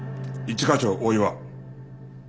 一課長大岩。